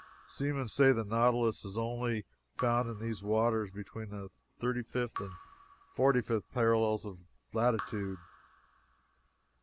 Seamen say the nautilus is only found in these waters between the 35th and 45th parallels of latitude.